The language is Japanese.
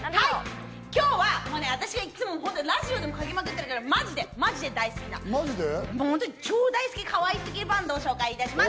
今日はもうね、私がいつもラジオでもかけまくってるマジでマジで大好きな、超大好き、かわいすぎバンドを紹介いたします。